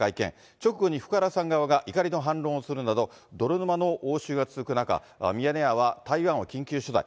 直後に福原さん側が怒りの反論をするなど、泥沼の応酬が続く中、ミヤネ屋は台湾を緊急取材。